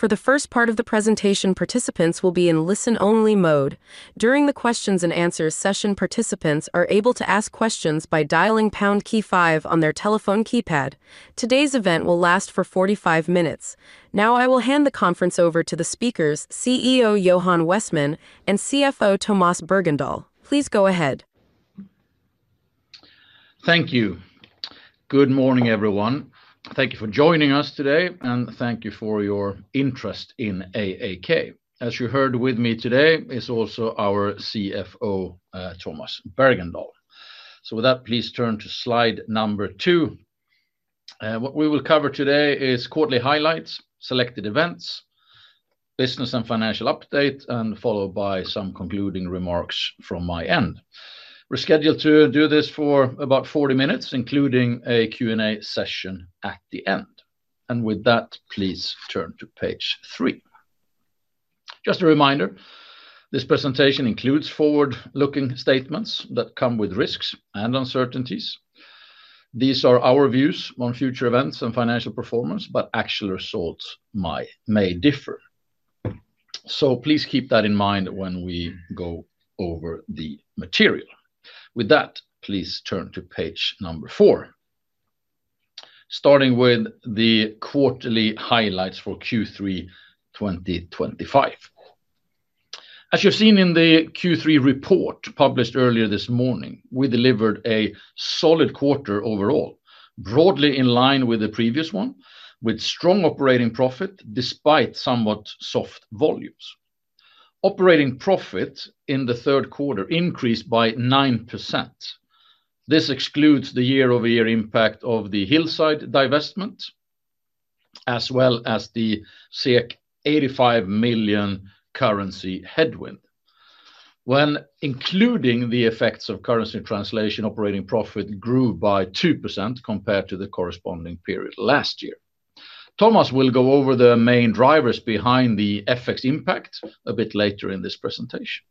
For the first part of the presentation, participants will be in listen-only mode. During the questions and answers session, participants are able to ask questions by dialing pound key five on their telephone keypad. Today's event will last for 45 minutes. Now, I will hand the conference over to the speakers, CEO Johan Westman and CFO Tomas Bergendahl. Please go ahead. Thank you. Good morning, everyone. Thank you for joining us today, and thank you for your interest in AAK. As you heard, with me today is also our CFO, Tomas Bergendahl. Please turn to slide number two. What we will cover today is quarterly highlights, selected events, business and financial updates, followed by some concluding remarks from my end. We're scheduled to do this for about 40 minutes, including a Q&A session at the end. With that, please turn to page three. Just a reminder, this presentation includes forward-looking statements that come with risks and uncertainties. These are our views on future events and financial performance, but actual results may differ. Please keep that in mind when we go over the material. With that, please turn to page number four. Starting with the quarterly highlights for Q3 2025. As you've seen in the Q3 report published earlier this morning, we delivered a solid quarter overall, broadly in line with the previous one, with strong operating profit despite somewhat soft volumes. Operating profit in the third quarter increased by 9%. This excludes the year-over-year impact of the Hillside divestment, as well as the 85 million currency headwind. When including the effects of currency translation, operating profit grew by 2% compared to the corresponding period last year. Tomas will go over the main drivers behind the effects impact a bit later in this presentation.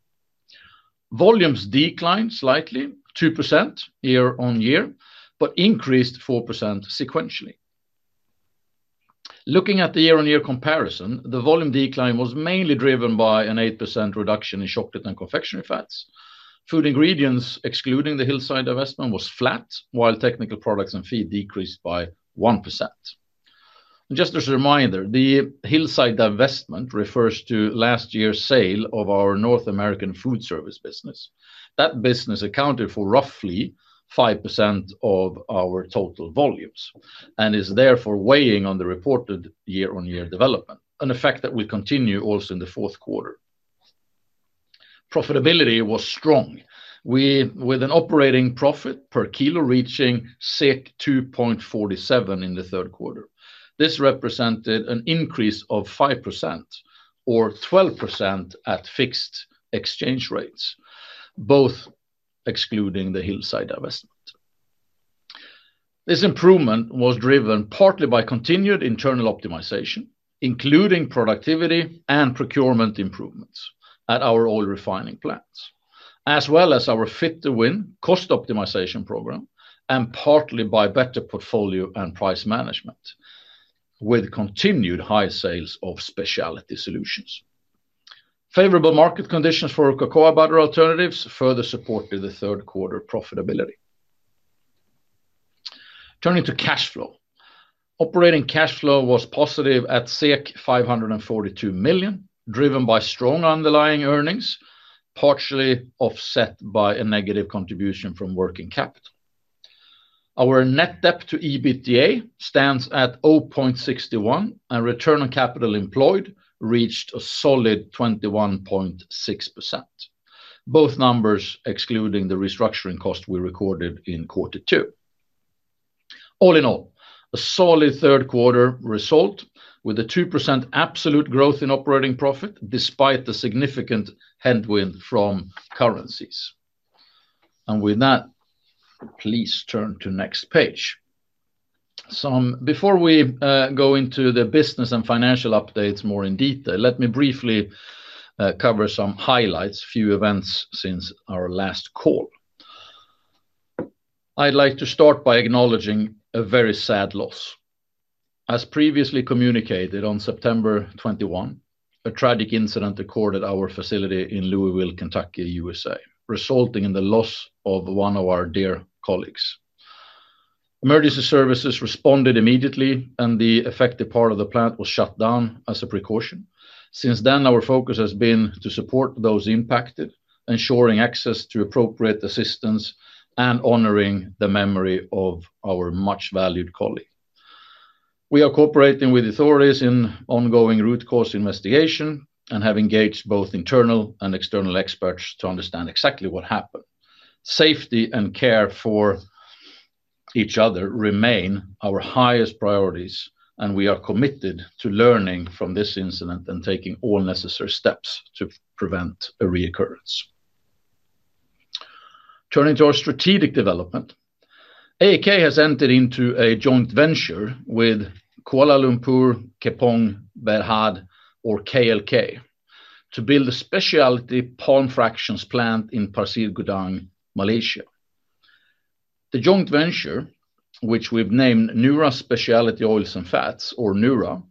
Volumes declined slightly, 2% year-on-year, but increased 4% sequentially. Looking at the year-on-year comparison, the volume decline was mainly driven by an 8% reduction in Chocolate and Confectionery Fats. Food Ingredients excluding the Hillside divestment was flat, while Technical Products and Feed decreased by 1%. Just as a reminder, the Hillside divestment refers to last year's sale of our North American food service business. That business accounted for roughly 5% of our total volumes and is therefore weighing on the reported year-on-year development, an effect that will continue also in the fourth quarter. Profitability was strong. We had an operating profit per kilo reaching 2.47 in the third quarter. This represented an increase of 5% or 12% at fixed exchange rates, both excluding the Hillside divestment. This improvement was driven partly by continued internal optimization, including productivity and procurement improvements at our oil refining plants, as well as our Fit-to-Win cost optimization program, and partly by better portfolio and price management, with continued high sales of specialty solutions. Favorable market conditions for cocoa butter alternatives further supported the third quarter profitability. Turning to cash flow, operating cash flow was positive at 542 million, driven by strong underlying earnings, partially offset by a negative contribution from working capital. Our net debt to EBITDA stands at 0.61, and return on capital employed reached a solid 21.6%. Both numbers excluding the restructuring cost we recorded in quarter two. All in all, a solid third quarter result with a 2% absolute growth in operating profit despite the significant headwind from currencies. With that, please turn to the next page. Before we go into the business and financial updates more in detail, let me briefly cover some highlights, a few events since our last call. I'd like to start by acknowledging a very sad loss. As previously communicated, on September 21, a tragic incident occurred at our facility in Louisville, Kentucky, U.S., resulting in the loss of one of our dear colleagues. Emergency services responded immediately, and the affected part of the plant was shut down as a precaution. Since then, our focus has been to support those impacted, ensuring access to appropriate assistance, and honoring the memory of our much-valued colleague. We are cooperating with authorities in ongoing root cause investigation and have engaged both internal and external experts to understand exactly what happened. Safety and care for each other remain our highest priorities, and we are committed to learning from this incident and taking all necessary steps to prevent a reoccurrence. Turning to our strategic development, AAK has entered into a joint venture with Kuala Lumpur Kepong Berhad, or KLK, to build a specialty palm fractions plant in Pasir Gudang, Malaysia. The joint venture, which we've named Nura Specialty Oils and Fats, or Nura,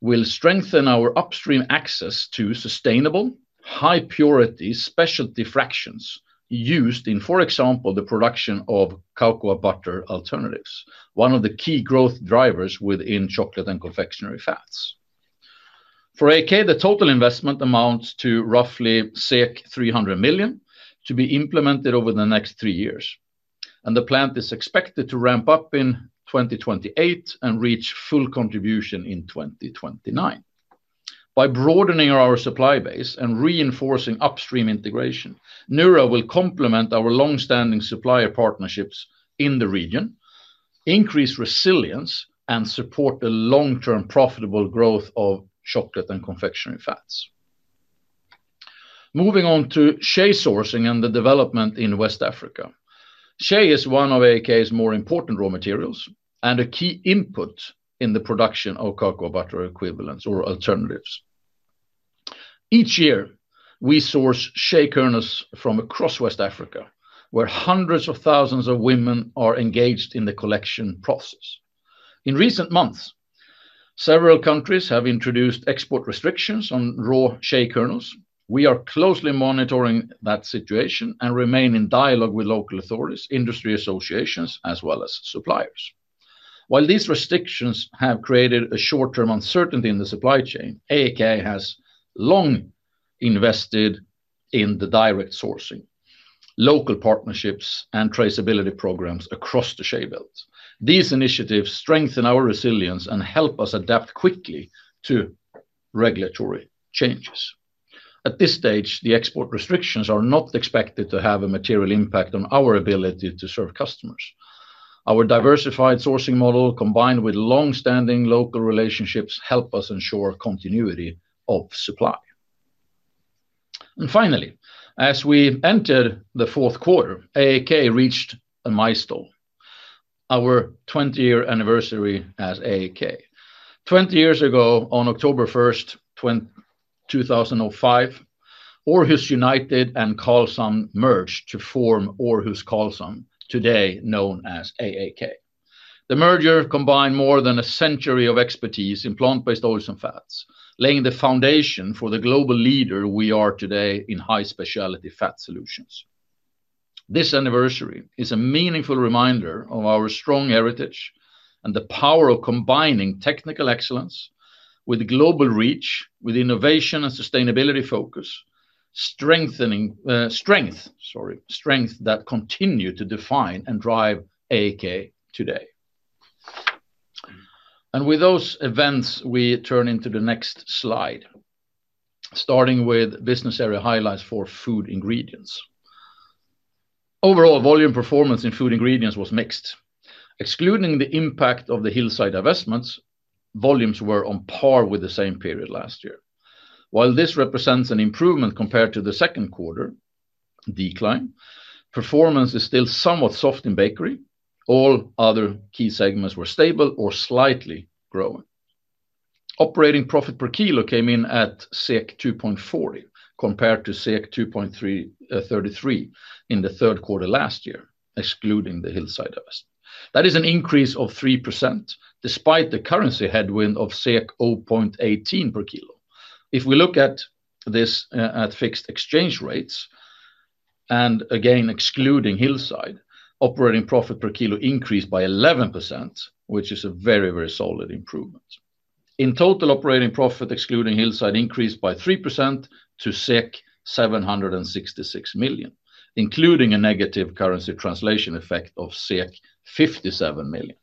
will strengthen our upstream access to sustainable, high-purity specialty fractions used in, for example, the production of cocoa butter alternatives, one of the key growth drivers within Chocolate and Confectionery Fats. For AAK, the total investment amounts to roughly 300 million to be implemented over the next three years. The plant is expected to ramp up in 2028 and reach full contribution in 2029. By broadening our supply base and reinforcing upstream integration, Nura will complement our longstanding supplier partnerships in the region, increase resilience, and support the long-term profitable growth of Chocolate and Confectionery Fats. Moving on to shea sourcing and the development in West Africa, shea is one of AAK's more important raw materials and a key input in the production of cocoa butter equivalents or alternatives. Each year, we source shea kernels from across West Africa, where hundreds of thousands of women are engaged in the collection process. In recent months, several countries have introduced export restrictions on raw shea kernels. We are closely monitoring that situation and remain in dialogue with local authorities, industry associations, as well as suppliers. While these restrictions have created a short-term uncertainty in the supply chain, AAK has long invested in the direct sourcing, local partnerships, and traceability programs across the shea belt. These initiatives strengthen our resilience and help us adapt quickly to regulatory changes. At this stage, the export restrictions are not expected to have a material impact on our ability to serve customers. Our diversified sourcing model, combined with longstanding local relationships, helps us ensure continuity of supply. Finally, as we entered the fourth quarter, AAK reached a milestone, our 20-year anniversary at AAK. Twenty years ago, on October 1st, 2005, Aarhus United and Karlshamns merged to form AarhusKarlshamn, today known as AAK. The merger combined more than a century of expertise in plant-based oils and fats, laying the foundation for the global leader we are today in high-specialty fat solutions. This anniversary is a meaningful reminder of our strong heritage and the power of combining technical excellence with global reach, with innovation and sustainability focus, strengths that continue to define and drive AAK today. With those events, we turn to the next slide, starting with business area highlights for Food Ingredients. Overall, volume performance in Food Ingredients was mixed. Excluding the impact of the Hillside divestments, volumes were on par with the same period last year. While this represents an improvement compared to the second quarter decline, performance is still somewhat soft in bakery. All other key segments were stable or slightly growing. Operating profit per kilo came in at 2.40 compared to 2.33 in the third quarter last year, excluding the Hillside divestment. That is an increase of 3% despite the currency headwind of 0.18 per kilo. If we look at this at fixed exchange rates, and again excluding Hillside, operating profit per kilo increased by 11%, which is a very, very solid improvement. In total, operating profit excluding Hillside increased by 3% to 766 million, including a negative currency translation effect of 57 million.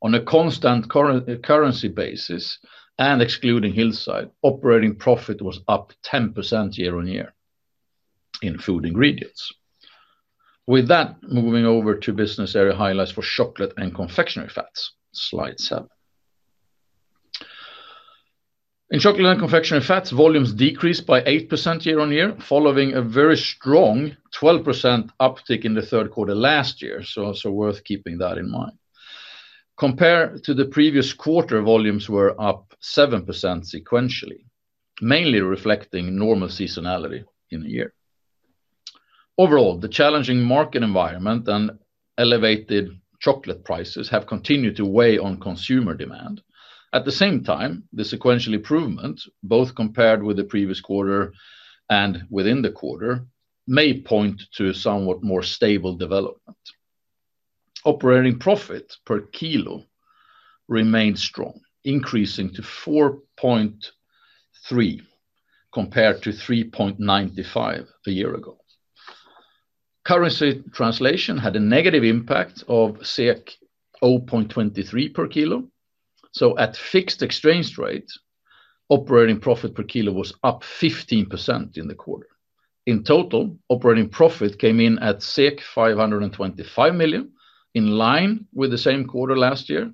On a constant currency basis, and excluding Hillside, operating profit was up 10% year-on-year in Food Ingredients. With that, moving over to business area highlights for Chocolate and Confectionery Fats, slide seven. In Chocolate and Confectionery Fats, volumes decreased by 8% year-on-year, following a very strong 12% uptick in the third quarter last year. It's worth keeping that in mind. Compared to the previous quarter, volumes were up 7% sequentially, mainly reflecting normal seasonality in the year. Overall, the challenging market environment and elevated chocolate prices have continued to weigh on consumer demand. At the same time, the sequential improvement, both compared with the previous quarter and within the quarter, may point to somewhat more stable development. Operating profit per kilo remains strong, increasing to 4.30 compared to 3.95 a year ago. Currency translation had a negative impact of 0.23 per kilo. At fixed exchange rates, operating profit per kilo was up 15% in the quarter. In total, operating profit came in at 525 million, in line with the same quarter last year,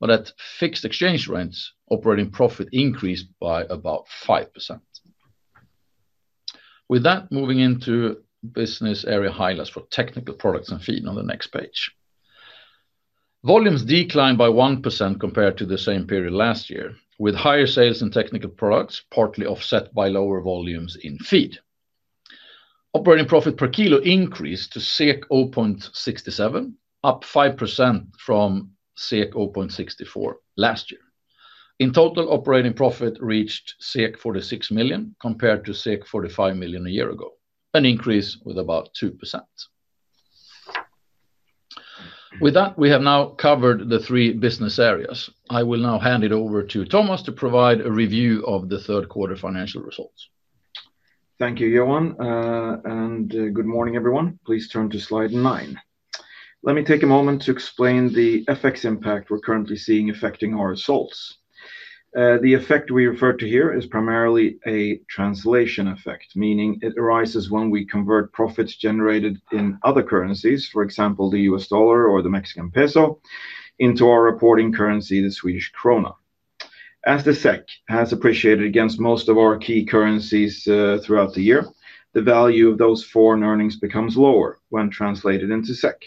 but at fixed exchange rates, operating profit increased by about 5%. With that, moving into business area highlights for Technical Products and Feed on the next page. Volumes declined by 1% compared to the same period last year, with higher sales in Technical Products, partly offset by lower volumes in Feed. Operating profit per kilo increased to 0.67, up 5% from 0.64 last year. In total, operating profit reached 46 million compared to 45 million a year ago, an increase of about 2%. With that, we have now covered the three business areas. I will now hand it over to Tomas to provide a review of the third quarter financial results. Thank you, Johan, and good morning, everyone. Please turn to slide nine. Let me take a moment to explain the effects impact we're currently seeing affecting our results. The effect we refer to here is primarily a translation effect, meaning it arises when we convert profits generated in other currencies, for example, the U.S. dollar or the Mexican peso, into our reporting currency, the Swedish krona. As the SEK has appreciated against most of our key currencies throughout the year, the value of those foreign earnings becomes lower when translated into SEK,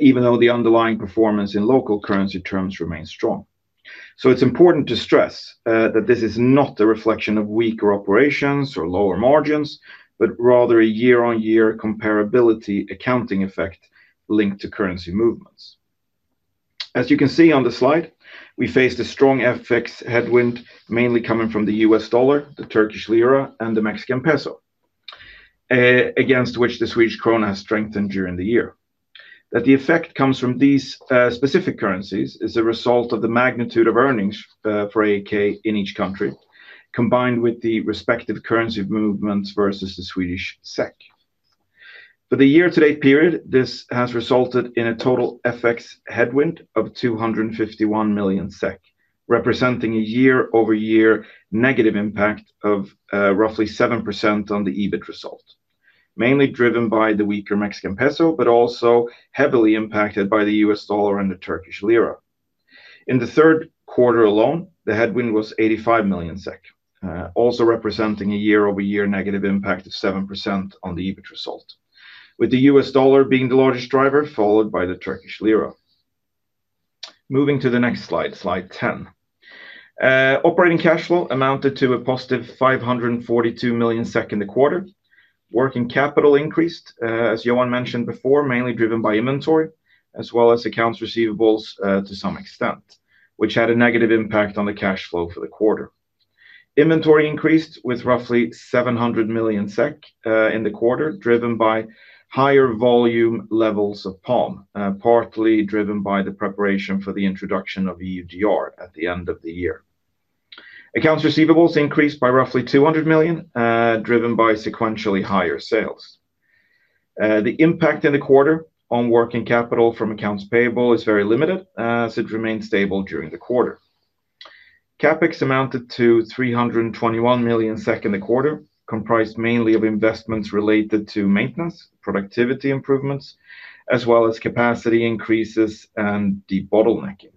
even though the underlying performance in local currency terms remains strong. It's important to stress that this is not a reflection of weaker operations or lower margins, but rather a year-on-year comparability accounting effect linked to currency movements. As you can see on the slide, we faced a strong FX headwind, mainly coming from the U.S. dollar, the Turkish lira, and the Mexican peso, against which the Swedish krona has strengthened during the year. That the effect comes from these specific currencies is a result of the magnitude of earnings for AAK in each country, combined with the respective currency movements versus the Swedish SEK. For the year-to-date period, this has resulted in a total FX headwind of 251 million SEK, representing a year-over-year negative impact of roughly 7% on the EBIT result, mainly driven by the weaker Mexican peso, but also heavily impacted by the U.S. dollar and the Turkish lira. In the third quarter alone, the headwind was 85 million SEK, also representing a year-over-year negative impact of 7% on the EBIT result, with the U.S. dollar being the largest driver, followed by the Turkish lira. Moving to the next slide, slide 10. Operating cash flow amounted to a positive 542 million in the quarter. Working capital increased, as Johan mentioned before, mainly driven by inventory, as well as accounts receivables to some extent, which had a negative impact on the cash flow for the quarter. Inventory increased with roughly 700 million SEK in the quarter, driven by higher volume levels of palm, partly driven by the preparation for the introduction of EUDR at the end of the year. Accounts receivables increased by roughly 200 million, driven by sequentially higher sales. The impact in the quarter on working capital from accounts payable is very limited, as it remained stable during the quarter. CapEx amounted to 321 million SEK in the quarter, comprised mainly of investments related to maintenance, productivity improvements, as well as capacity increases and de-bottlenecking.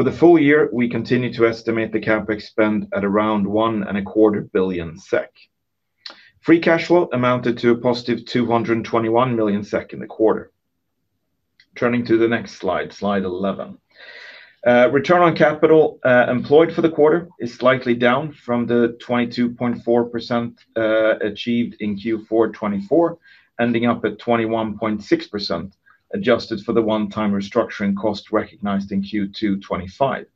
For the full year, we continue to estimate the CapEx spend at around 1.25 billion SEK. Free cash flow amounted to a positive 221 million SEK in the quarter. Turning to the next slide, slide 11. Return on capital employed for the quarter is slightly down from the 22.4% achieved in Q4 2024, ending up at 21.6% adjusted for the one-time restructuring cost recognized in Q2 2025.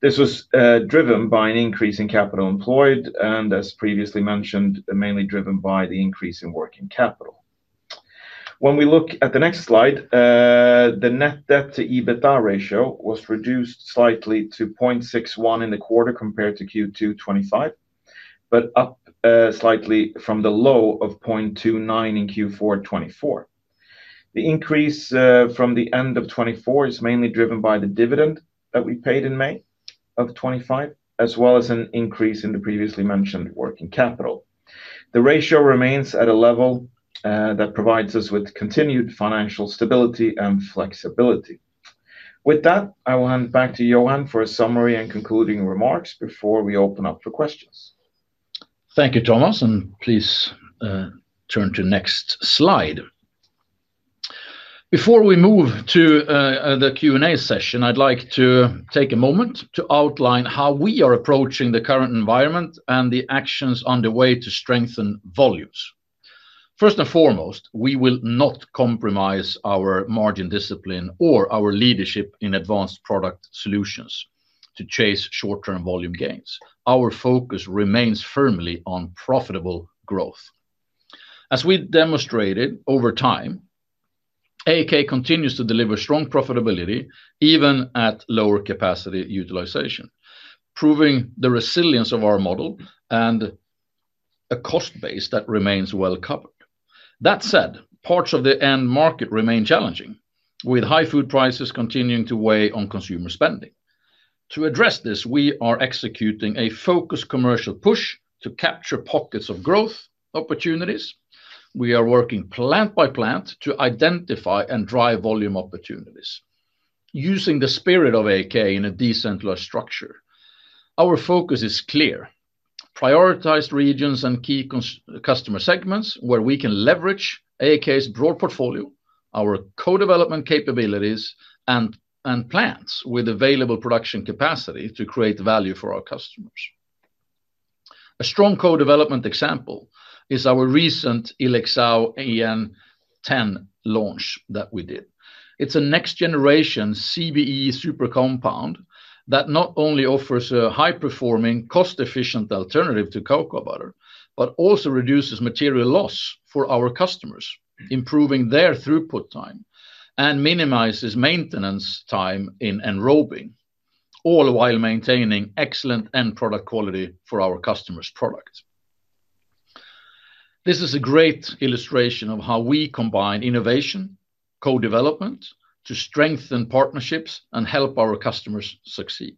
This was driven by an increase in capital employed and, as previously mentioned, mainly driven by the increase in working capital. When we look at the next slide, the net debt to EBITDA ratio was reduced slightly to 0.61 in the quarter compared to Q2 2025, but up slightly from the low of 0.29 in Q4 2024. The increase from the end of 2024 is mainly driven by the dividend that we paid in May of 2025, as well as an increase in the previously mentioned working capital. The ratio remains at a level that provides us with continued financial stability and flexibility. With that, I will hand it back to Johan for a summary and concluding remarks before we open up for questions. Thank you, Tomas, and please turn to the next slide. Before we move to the Q&A session, I'd like to take a moment to outline how we are approaching the current environment and the actions underway to strengthen volumes. First and foremost, we will not compromise our margin discipline or our leadership in advanced product solutions to chase short-term volume gains. Our focus remains firmly on profitable growth. As we demonstrated over time, AAK continues to deliver strong profitability even at lower capacity utilization, proving the resilience of our model and a cost base that remains well covered. That said, parts of the end market remain challenging, with high food prices continuing to weigh on consumer spending. To address this, we are executing a focused commercial push to capture pockets of growth opportunities. We are working plant by plant to identify and drive volume opportunities. Using the spirit of AAK in a decentralized structure, our focus is clear. Prioritized regions and key customer segments where we can leverage AAK's broad portfolio, our co-development capabilities, and plants with available production capacity to create value for our customers. A strong co-development example is our recent Illexao EN10 launch that we did. It's a next-generation CBE supercompound that not only offers a high-performing, cost-efficient alternative to cocoa butter, but also reduces material loss for our customers, improving their throughput time, and minimizes maintenance time in enrobing, all while maintaining excellent end product quality for our customers' products. This is a great illustration of how we combine innovation, co-development to strengthen partnerships and help our customers succeed.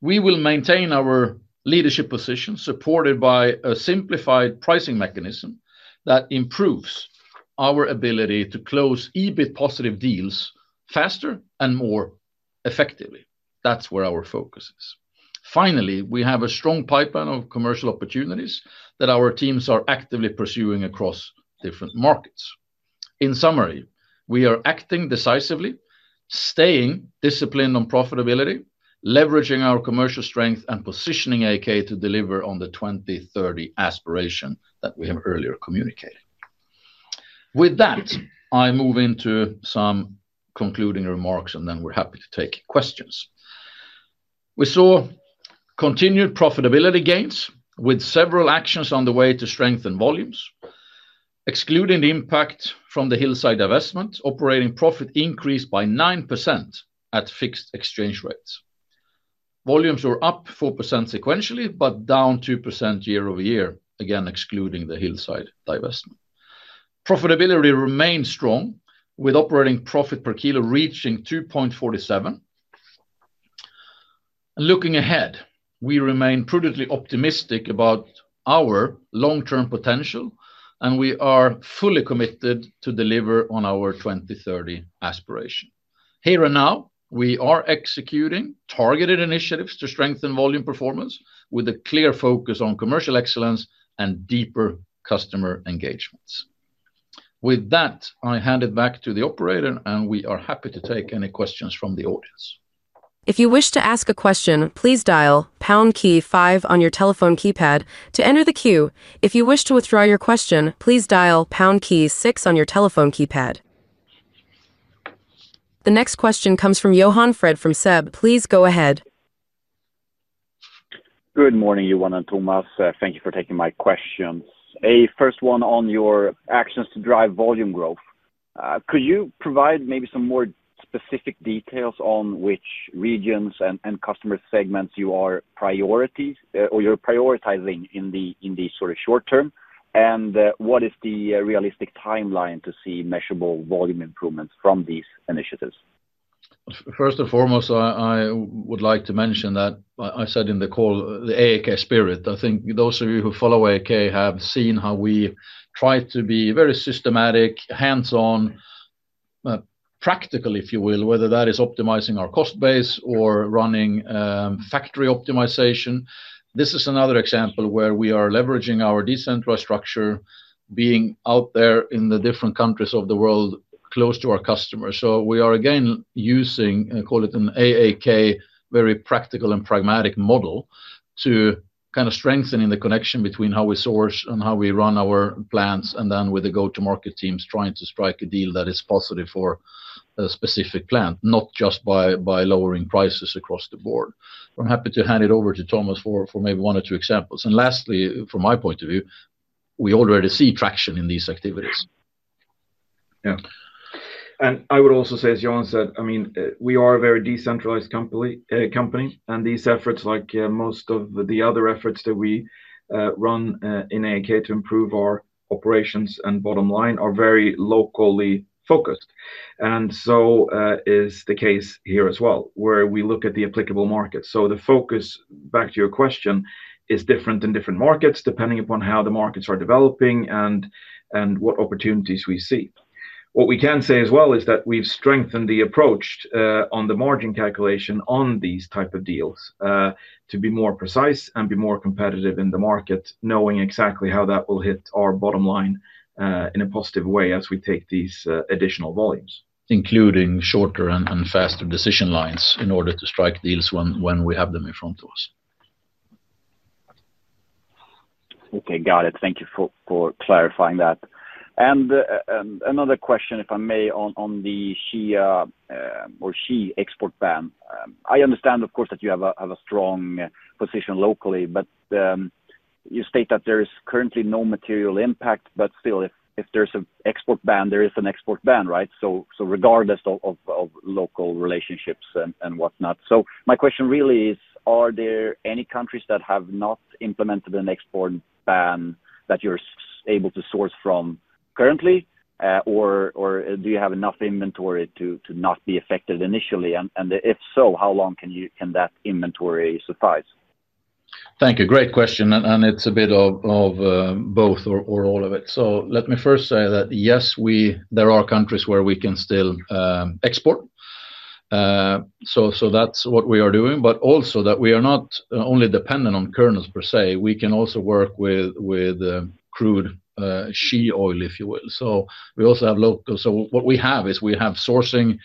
We will maintain our leadership position supported by a simplified pricing mechanism that improves our ability to close EBIT positive deals faster and more effectively. That's where our focus is. Finally, we have a strong pipeline of commercial opportunities that our teams are actively pursuing across different markets. In summary, we are acting decisively, staying disciplined on profitability, leveraging our commercial strength, and positioning AAK to deliver on the 2030 aspiration that we have earlier communicated. With that, I move into some concluding remarks, and then we're happy to take questions. We saw continued profitability gains with several actions on the way to strengthen volumes, excluding the impact from the Hillside divestment. Operating profit increased by 9% at fixed exchange rates. Volumes were up 4% sequentially, but down 2% year-over-year, again excluding the Hillside divestment. Profitability remains strong, with operating profit per kilo reaching $2.47. Looking ahead, we remain prudently optimistic about our long-term potential, and we are fully committed to deliver on our 2030 aspiration. Here and now, we are executing targeted initiatives to strengthen volume performance with a clear focus on commercial excellence and deeper customer engagements. With that, I hand it back to the operator, and we are happy to take any questions from the audience. If you wish to ask a question, please dial pound key five on your telephone keypad to enter the queue. If you wish to withdraw your question, please dial pound key six on your telephone keypad. The next question comes from Johan Fred from SEB. Please go ahead. Good morning, Johan and Tomas. Thank you for taking my questions. A first one on your actions to drive volume growth. Could you provide maybe some more specific details on which regions and customer segments you are prioritizing in the sort of short term? What is the realistic timeline to see measurable volume improvements from these initiatives? First and foremost, I would like to mention that I said in the call the AAK spirit. I think those of you who follow AAK have seen how we try to be very systematic, hands-on, practical, if you will, whether that is optimizing our cost base or running factory optimization. This is another example where we are leveraging our decentralized structure, being out there in the different countries of the world close to our customers. We are again using, call it an AAK, very practical and pragmatic model to kind of strengthen the connection between how we source and how we run our plants, and then with the go-to-market teams trying to strike a deal that is positive for a specific plant, not just by lowering prices across the board. I'm happy to hand it over to Tomas for maybe one or two examples. Lastly, from my point of view, we already see traction in these activities. Yeah. I would also say, as Johan said, I mean, we are a very decentralized company, and these efforts, like most of the other efforts that we run in AAK to improve our operations and bottom line, are very locally focused. This is the case here as well, where we look at the applicable markets. The focus, back to your question, is different in different markets depending upon how the markets are developing and what opportunities we see. What we can say as well is that we've strengthened the approach on the margin calculation on these types of deals to be more precise and be more competitive in the market, knowing exactly how that will hit our bottom line in a positive way as we take these additional volumes. Including shorter and faster decision lines in order to strike deals when we have them in front of us. Okay, got it. Thank you for clarifying that. Another question, if I may, on the shea or shea export ban. I understand, of course, that you have a strong position locally, but you state that there is currently no material impact. Still, if there's an export ban, there is an export ban, right? Regardless of local relationships and whatnot, my question really is, are there any countries that have not implemented an export ban that you're able to source from currently, or do you have enough inventory to not be affected initially? If so, how long can that inventory suffice? Thank you. Great question. It's a bit of both or all of it. Let me first say that yes, there are countries where we can still export. That's what we are doing, but also that we are not only dependent on kernels per se. We can also work with crude shea oil, if you will. We also have local. What we have is we have sourcing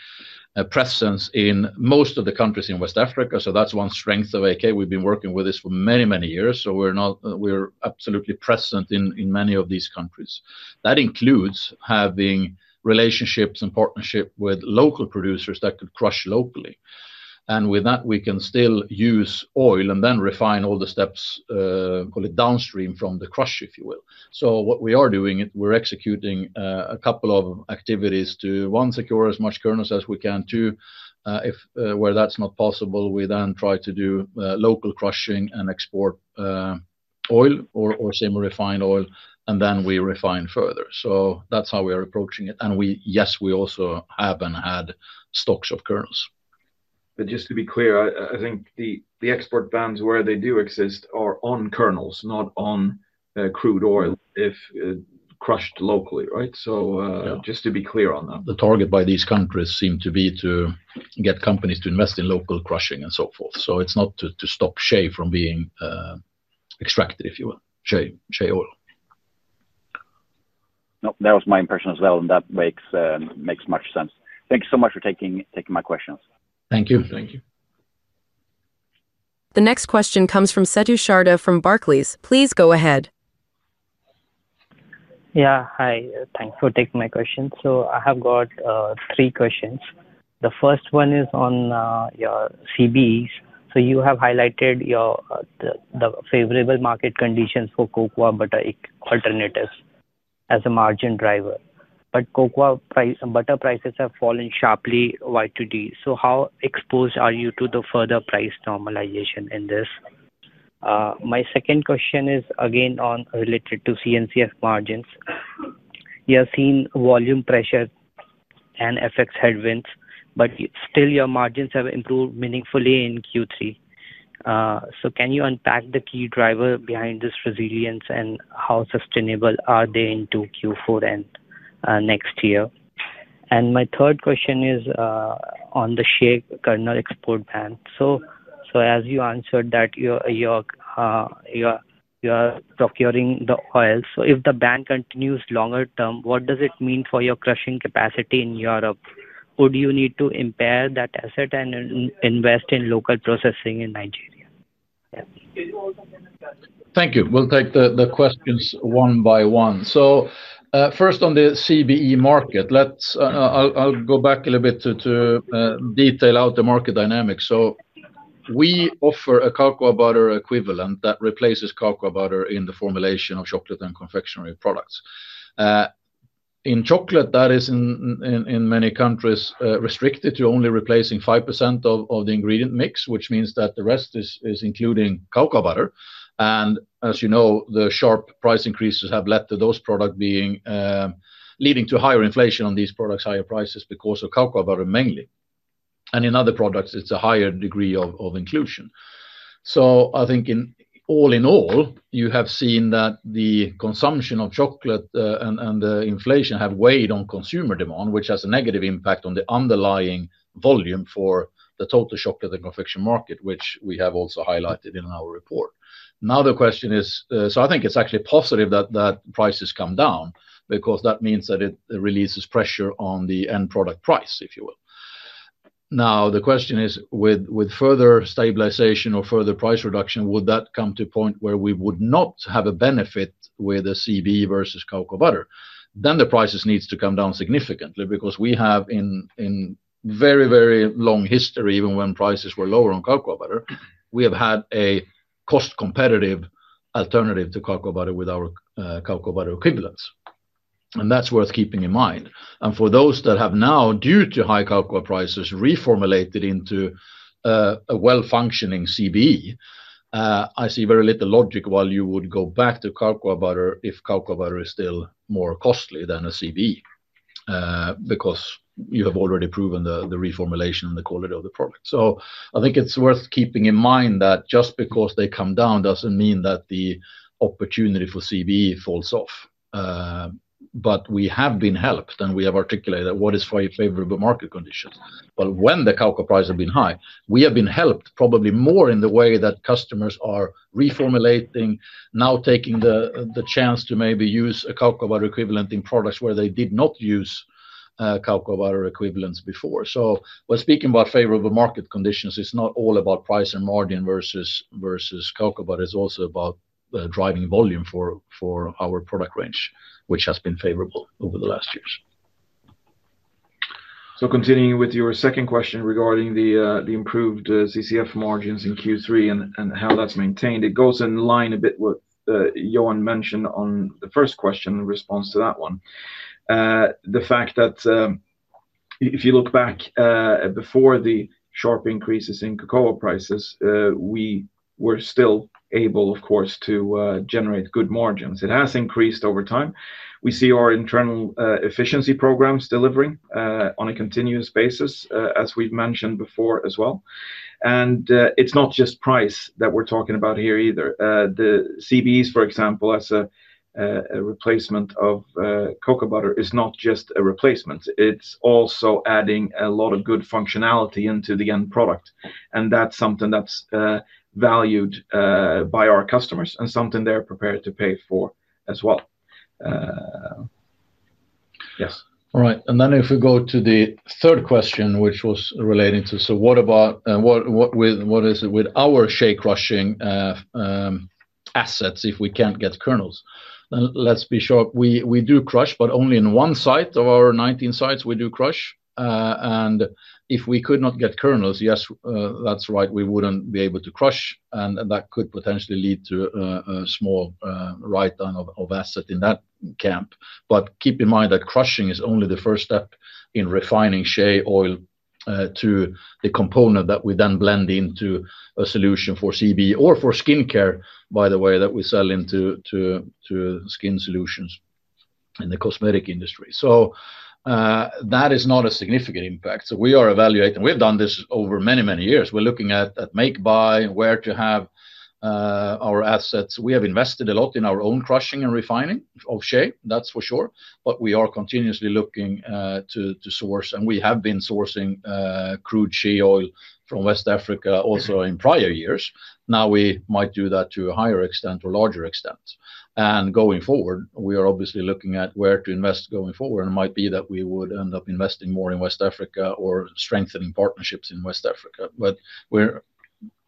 presence in most of the countries in West Africa. That's one strength of AAK. We've been working with this for many, many years. We're absolutely present in many of these countries. That includes having relationships and partnerships with local producers that could crush locally. With that, we can still use oil and then refine all the steps, call it downstream from the crush, if you will. What we are doing is we're executing a couple of activities to, one, secure as much kernels as we can. Two, if that's not possible, we then try to do local crushing and export oil or same refined oil, and then we refine further. That's how we are approaching it. Yes, we also haven't had stocks of kernels. Just to be clear, I think the export bans where they do exist are on kernels, not on crude oil if crushed locally, right? Just to be clear on that. The target by these countries seems to be to get companies to invest in local crushing and so forth. It's not to stop shea from being extracted, if you will, shea oil. No, that was my impression as well, and that makes much sense. Thank you so much for taking my questions. Thank you. Thank you. The next question comes from Setu Sharda from Barclays. Please go ahead. Yeah, hi. Thanks for taking my question. I have got three questions. The first one is on your CBEs. You have highlighted the favorable market conditions for cocoa butter alternatives as a margin driver. Cocoa butter prices have fallen sharply YTD. How exposed are you to the further price normalization in this? My second question is again related to C and CF margins. You have seen volume pressure and FX headwinds, but still your margins have improved meaningfully in Q3. Can you unpack the key driver behind this resilience and how sustainable are they into Q4 and next year? My third question is on the shea kernel export ban. As you answered that, you are procuring the oil. If the ban continues longer term, what does it mean for your crushing capacity in Europe? Would you need to impair that asset and invest in local processing in Nigeria? Thank you. We'll take the questions one by one. First, on the CBE market, I'll go back a little bit to detail out the market dynamics. We offer a cocoa butter equivalent that replaces cocoa butter in the formulation of chocolate and confectionery products. In chocolate, that is in many countries restricted to only replacing 5% of the ingredient mix, which means that the rest is including cocoa butter. As you know, the sharp price increases have led to those products leading to higher inflation on these products, higher prices because of cocoa butter mainly. In other products, it's a higher degree of inclusion. I think all in all, you have seen that the consumption of chocolate and the inflation have weighed on consumer demand, which has a negative impact on the underlying volume for the total chocolate and confectionery market, which we have also highlighted in our report. The question is, I think it's actually positive that prices come down because that means that it releases pressure on the end product price, if you will. The question is, with further stabilization or further price reduction, would that come to a point where we would not have a benefit with a CBE versus cocoa butter? Then the prices need to come down significantly because we have in very, very long history, even when prices were lower on cocoa butter, we have had a cost-competitive alternative to cocoa butter with our cocoa butter equivalents. That's worth keeping in mind. For those that have now, due to high cocoa prices, reformulated into a well-functioning CBE, I see very little logic why you would go back to cocoa butter if cocoa butter is still more costly than a CBE because you have already proven the reformulation and the quality of the product. I think it's worth keeping in mind that just because they come down doesn't mean that the opportunity for CBE falls off. We have been helped, and we have articulated what is favorable market conditions. When the cocoa price has been high, we have been helped probably more in the way that customers are reformulating, now taking the chance to maybe use a cocoa butter equivalent in products where they did not use cocoa butter equivalents before. When speaking about favorable market conditions, it's not all about price and margin versus cocoa butter. It's also about driving volume for our product range, which has been favorable over the last years. Continuing with your second question regarding the improved CCF margins in Q3 and how that's maintained, it goes in line a bit with what Johan mentioned on the first question in response to that one. The fact that if you look back before the sharp increases in cocoa prices, we were still able, of course, to generate good margins. It has increased over time. We see our internal efficiency programs delivering on a continuous basis, as we've mentioned before as well. It's not just price that we're talking about here either. The CBEs, for example, as a replacement of cocoa butter, is not just a replacement. It's also adding a lot of good functionality into the end product. That's something that's valued by our customers and something they're prepared to pay for as well. Yes. All right. If we go to the third question, which was relating to, what about what is it with our shea crushing assets if we can't get kernels? Let's be sure we do crush, but only in one site of our 19 sites, we do crush. If we could not get kernels, yes, that's right, we wouldn't be able to crush. That could potentially lead to a small write-down of assets in that camp. Keep in mind that crushing is only the first step in refining shea oil to the component that we then blend into a solution for CBE or for skincare, by the way, that we sell into skin solutions in the cosmetic industry. That is not a significant impact. We are evaluating, we've done this over many, many years. We're looking at make-buy and where to have our assets. We have invested a lot in our own crushing and refining of shea, that's for sure. We are continuously looking to source, and we have been sourcing crude shea oil from West Africa also in prior years. Now we might do that to a higher extent or larger extent. Going forward, we are obviously looking at where to invest going forward. It might be that we would end up investing more in West Africa or strengthening partnerships in West Africa.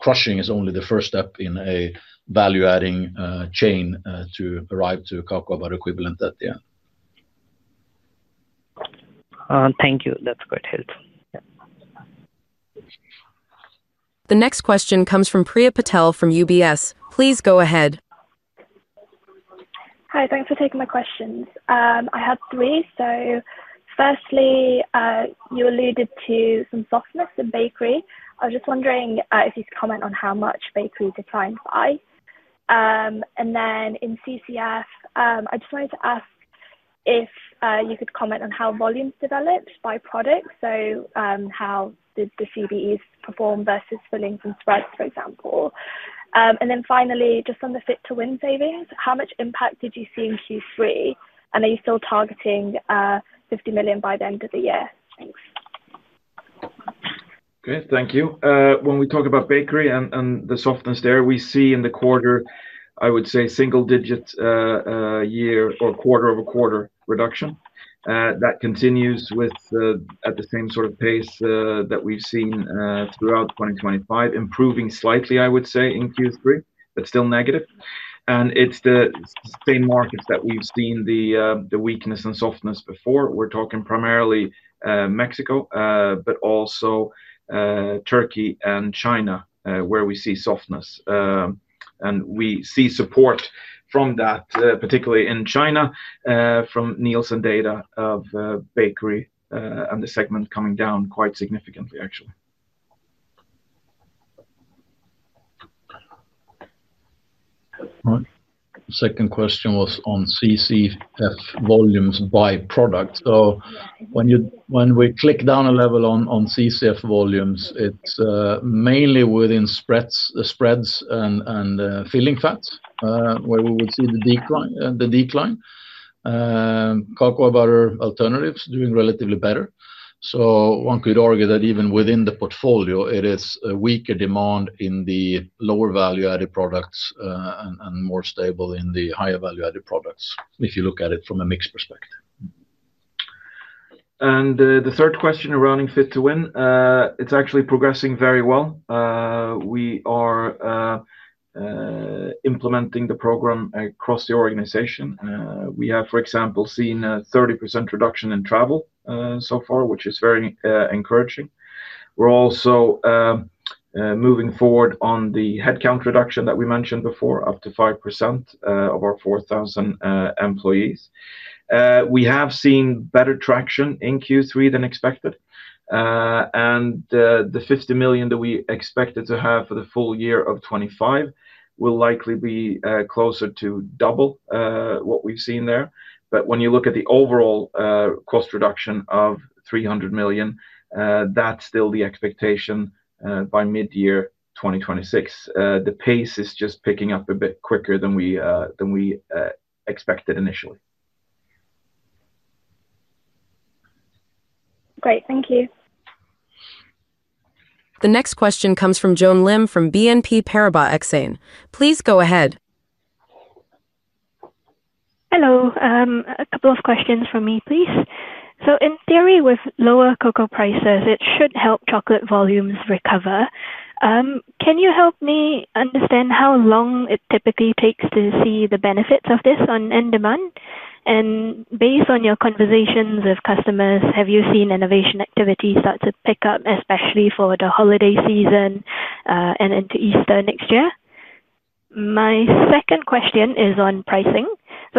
Crushing is only the first step in a value-adding chain to arrive to a cocoa butter equivalent at the end. Thank you. That's great help. The next question comes from Priya Patel from UBS. Please go ahead. Hi, thanks for taking my questions. I have three. Firstly, you alluded to some softness in bakery. I was just wondering if you could comment on how much bakery declined by. In CCF, I just wanted to ask if you could comment on how volumes developed by product. How did the CBEs perform versus fillings and spreads, for example? Finally, just on the Fit-to-Win savings, how much impact did you see in Q3? Are you still targeting $50 million by the end of the year? Thanks. Great, thank you. When we talk about bakery and the softness there, we see in the quarter, I would say, single-digit year or quarter-over-quarter reduction. That continues at the same sort of pace that we've seen throughout 2025, improving slightly, I would say, in Q3, but still negative. It's the same markets that we've seen the weakness and softness before. We're talking primarily Mexico, but also Turkey and China, where we see softness. We see support from that, particularly in China, from Nielsen data of bakery and the segment coming down quite significantly, actually. All right. The second question was on CCF volumes by product. When we click down a level on CCF volumes, it's mainly within spreads and filling fats where we would see the decline. Cocoa butter alternatives are doing relatively better. One could argue that even within the portfolio, it is a weaker demand in the lower value-added products and more stable in the higher value-added products if you look at it from a mixed perspective. The third question around Fit-to-Win, it's actually progressing very well. We are implementing the program across the organization. We have, for example, seen a 30% reduction in travel so far, which is very encouraging. We're also moving forward on the headcount reduction that we mentioned before, up to 5% of our 4,000 employees. We have seen better traction in Q3 than expected. The $50 million that we expected to have for the full year of 2025 will likely be closer to double what we've seen there. When you look at the overall cost reduction of $300 million, that's still the expectation by mid-year 2026. The pace is just picking up a bit quicker than we expected initially. Great, thank you. The next question comes from Joan Lim from BNP Paribas Exane. Please go ahead. Hello. A couple of questions from me, please. In theory, with lower cocoa prices, it should help chocolate volumes recover. Can you help me understand how long it typically takes to see the benefits of this on end demand? Based on your conversations with customers, have you seen innovation activity start to pick up, especially for the holiday season and into Easter next year? My second question is on pricing.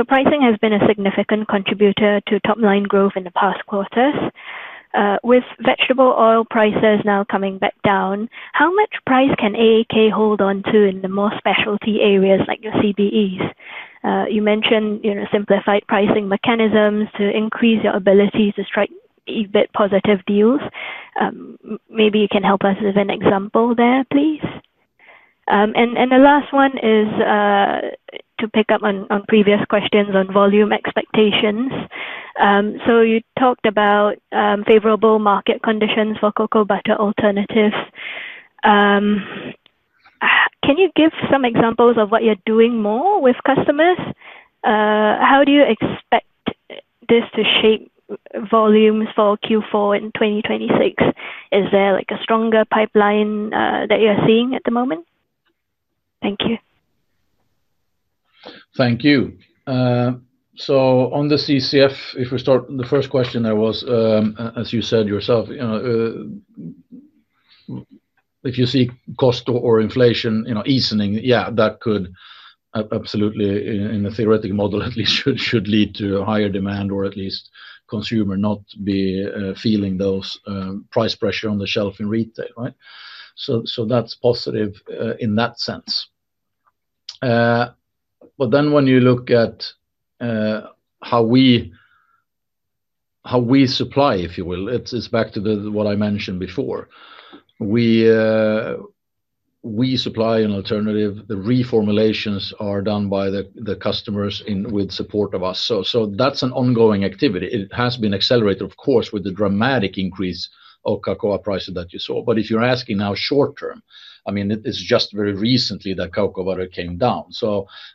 Pricing has been a significant contributor to top-line growth in the past quarters. With vegetable oil prices now coming back down, how much price can AAK hold on to in the more specialty areas like your CBEs? You mentioned simplified pricing mechanisms to increase your ability to strike EBIT positive deals. Maybe you can help us with an example there, please. The last one is to pick up on previous questions on volume expectations. You talked about favorable market conditions for cocoa butter alternatives. Can you give some examples of what you're doing more with customers? How do you expect this to shape volumes for Q4 in 2026? Is there a stronger pipeline that you're seeing at the moment? Thank you. Thank you. On the CCF, if we start, the first question there was, as you said yourself, if you see cost or inflation easing, that could absolutely, in the theoretical model, at least should lead to a higher demand or at least consumer not be feeling those price pressure on the shelf in retail, right? That is positive in that sense. When you look at how we supply, if you will, it's back to what I mentioned before. We supply an alternative. The reformulations are done by the customers with support of us. That is an ongoing activity. It has been accelerated, of course, with the dramatic increase of cocoa prices that you saw. If you're asking how short term, it's just very recently that cocoa butter came down.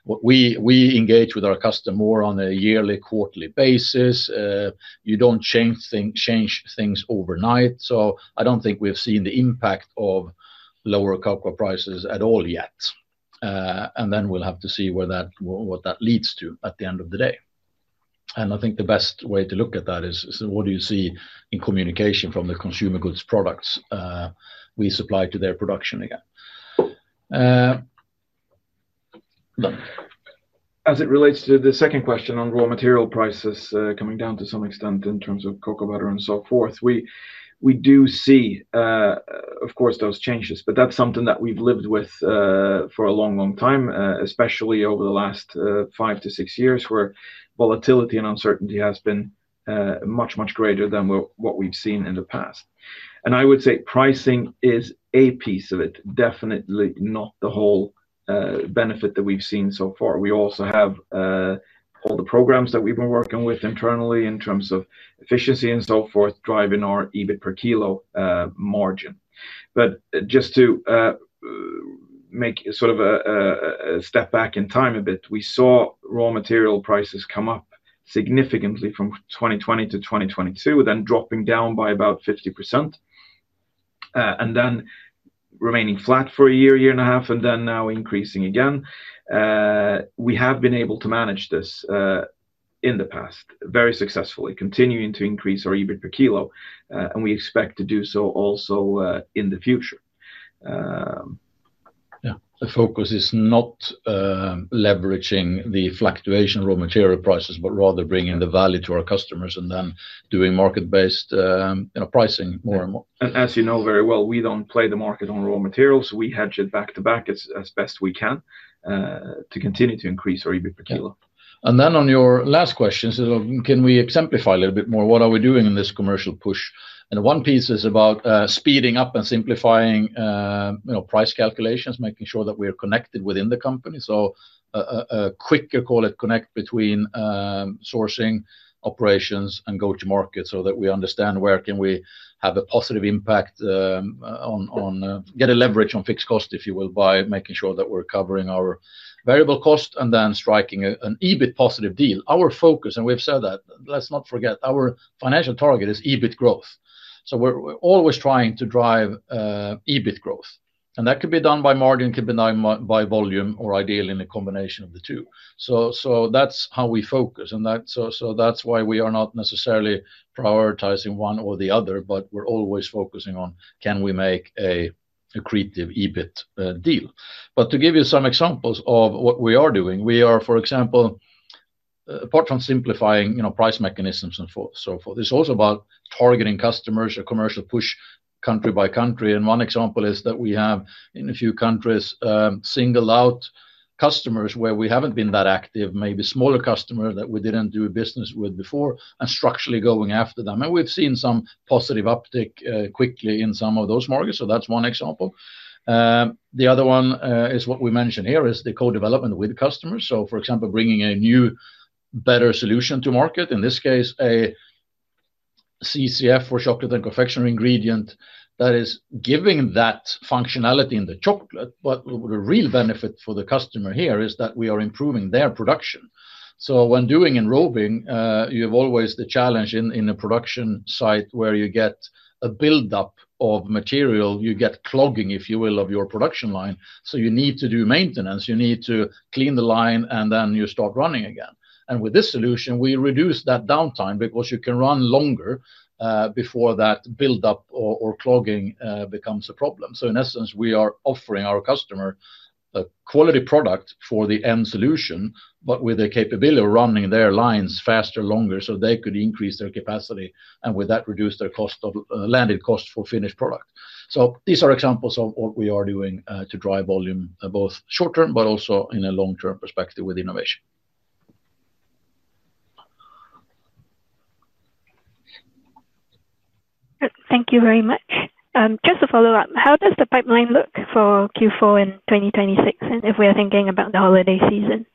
We engage with our customer more on a yearly, quarterly basis. You don't change things overnight. I don't think we've seen the impact of lower cocoa prices at all yet. We will have to see what that leads to at the end of the day. I think the best way to look at that is what do you see in communication from the consumer goods products we supply to their production again. As it relates to the second question on raw material prices coming down to some extent in terms of cocoa butter and so forth, we do see, of course, those changes. That is something that we've lived with for a long, long time, especially over the last five to six years, where volatility and uncertainty have been much, much greater than what we've seen in the past. I would say pricing is a piece of it, definitely not the whole benefit that we've seen so far. We also have all the programs that we've been working with internally in terms of efficiency and so forth, driving our EBIT per kilo margin. Just to make sort of a step back in time a bit, we saw raw material prices come up significantly from 2020 to 2022, then dropping down by about 50%, and then remaining flat for a year, year and a half, and now increasing again. We have been able to manage this in the past very successfully, continuing to increase our EBIT per kilo. We expect to do so also in the future. The focus is not leveraging the fluctuation in raw material prices, but rather bringing the value to our customers and then doing market-based pricing more and more. As you know very well, we don't play the market on raw materials. We hedge it back to back as best we can to continue to increase our EBIT per kilo. On your last question, can we exemplify a little bit more? What are we doing in this commercial push? One piece is about speeding up and simplifying price calculations, making sure that we are connected within the company. A quicker, call it, connect between sourcing, operations, and go-to-market so that we understand where we can have a positive impact on getting leverage on fixed cost, if you will, by making sure that we're covering our variable cost and then striking an EBIT positive deal. Our focus, and we've said that, let's not forget, our financial target is EBIT growth. We're always trying to drive EBIT growth. That could be done by margin, could be done by volume, or ideally in a combination of the two. That's how we focus. That's why we are not necessarily prioritizing one or the other, but we're always focusing on can we make a creative EBIT deal. To give you some examples of what we are doing, we are, for example, apart from simplifying price mechanisms and so forth, also targeting customers, a commercial push country by country. One example is that we have, in a few countries, singled out customers where we haven't been that active, maybe smaller customers that we didn't do business with before, and structurally going after them. We've seen some positive uptake quickly in some of those markets. That's one example. The other one is what we mentioned here is the co-development with customers. For example, bringing a new, better solution to market. In this case, a CCF for chocolate and confectionery ingredient that is giving that functionality in the chocolate. The real benefit for the customer here is that we are improving their production. When doing enrobing, you have always the challenge in a production site where you get a buildup of material, you get clogging, if you will, of your production line. You need to do maintenance. You need to clean the line, and then you start running again. With this solution, we reduce that downtime because you can run longer before that buildup or clogging becomes a problem. In essence, we are offering our customer a quality product for the end solution, but with the capability of running their lines faster, longer, so they could increase their capacity, and with that, reduce their landed cost for finished product. These are examples of what we are doing to drive volume, both short term and also in a long-term perspective with innovation. Thank you very much. Just to follow up, how does the pipeline look for Q4 in 2026? If we are thinking about the holiday season.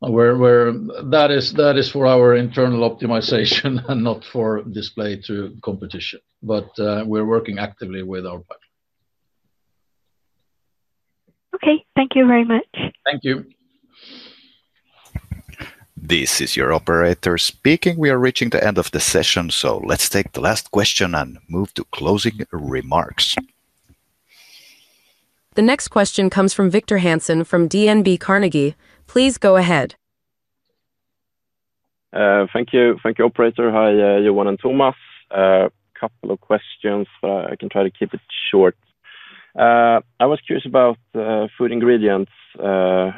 That is for our internal optimization and not for display to competition. We're working actively with our pipeline. Okay, thank you very much. Thank you. This is your operator speaking. We are reaching the end of the session. Let's take the last question and move to closing remarks. The next question comes from Victor Hansen from DNB Carnegie. Please go ahead. Thank you. Thank you, operator. Hi, Johan and Tomas. A couple of questions. I'll try to keep it short. I was curious about Food Ingredients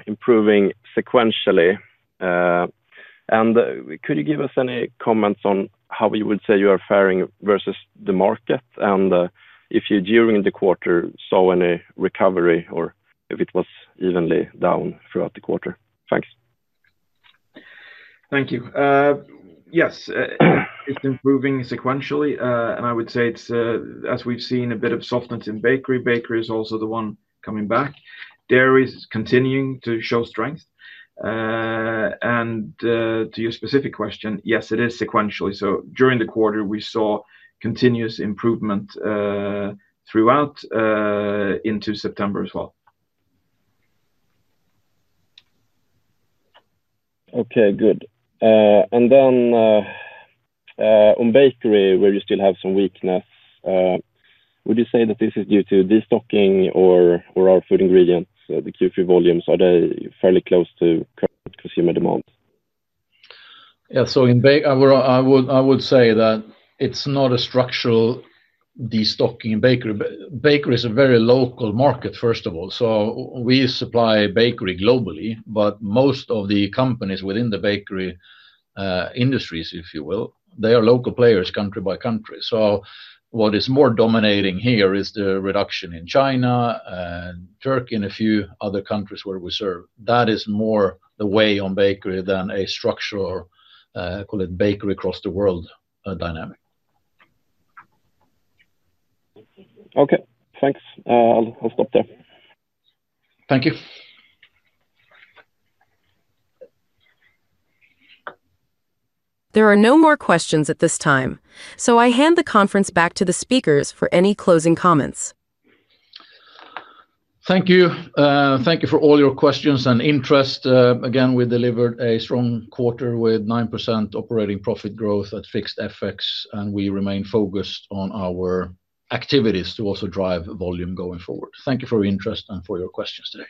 improving sequentially. Could you give us any comments on how you would say you are faring versus the market? If you, during the quarter, saw any recovery or if it was evenly down throughout the quarter? Thanks. Thank you. Yes, it's improving sequentially. I would say, as we've seen, a bit of softness in bakery. Bakery is also the one coming back. Dairy is continuing to show strength. To your specific question, yes, it is sequentially. During the quarter, we saw continuous improvement throughout into September as well. Okay, good. On bakery, where you still have some weakness, would you say that this is due to destocking or are Food Ingredients, the Q3 volumes, fairly close to current consumer demand? Yeah. I would say that it's not a structural destocking in bakery. Bakery is a very local market, first of all. We supply bakery globally, but most of the companies within the bakery industries, if you will, are local players, country by country. What is more dominating here is the reduction in China, Turkey, and a few other countries where we serve. That is more the weight on bakery than a structural, call it bakery across the world dynamic. Okay, thanks. I'll stop there. Thank you. There are no more questions at this time. I hand the conference back to the speakers for any closing comments. Thank you. Thank you for all your questions and interest. Again, we delivered a strong quarter with 9% operating profit growth at fixed FX, and we remain focused on our activities to also drive volume going forward. Thank you for your interest and for your questions.